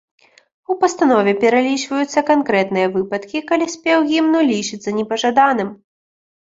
У пастанове пералічваюцца канкрэтныя выпадкі, калі спеў гімну лічыцца непажаданым.